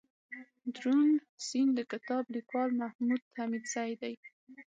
دروڼ سيند دکتاب ليکوال محمودحميدزى دئ